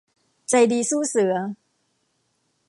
ใจดีสู้เสือ